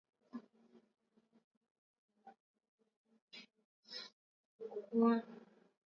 Msiba mejiletea, nimekila kiso takata,